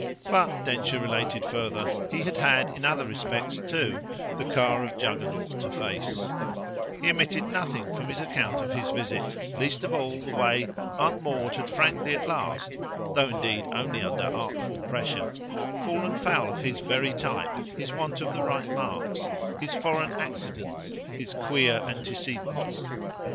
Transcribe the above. But, Densher related further, he had had in other respects too the car of Juggernaut to face; he omitted nothing from his account of his visit, least of all the way Aunt Maud had frankly at last though indeed only under artful pressure fallen foul of his very type, his want of the right marks, his foreign accidents, his queer antecedents.